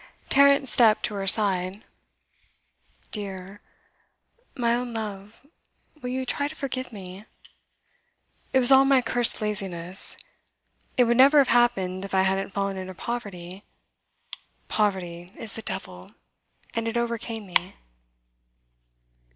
Tarrant stepped to her side. 'Dear my own love will you try to forgive me? It was all my cursed laziness. It would never have happened if I hadn't fallen into poverty. Poverty is the devil, and it overcame me.